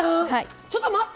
ちょっと待って！